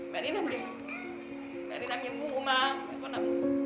mẹ đi làm nhiệm vụ mà